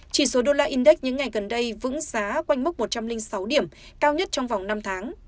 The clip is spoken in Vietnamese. chỉ số đô la index những ngày gần đây vững giá quanh mốc một trăm linh sáu điểm cao nhất trong vòng năm tháng